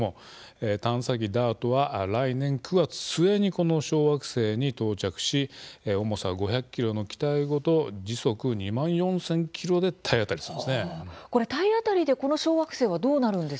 探査機ＤＡＲＴは来年９月末にこの小惑星に到着し重さ５００ｋｇの機体ごと時速２万４０００キロで体当たりします。